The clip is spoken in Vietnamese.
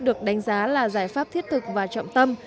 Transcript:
được đánh giá là giải pháp thiết thực và trọng tâm